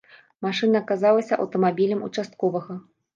Машына аказалася аўтамабілем участковага.